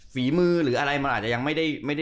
ฝีมือหรืออะไรมันอาจจะยังไม่ได้